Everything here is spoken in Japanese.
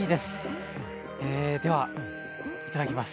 えではいただきます。